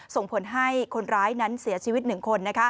ส่งผลให้คนร้ายนั้นเสียชีวิต๑คน